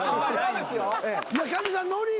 「キャディーさん乗りぃ」